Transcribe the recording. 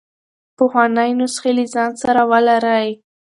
پخوانۍ نسخې له ځان سره ولرئ.